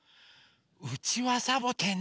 うちわサボテンね。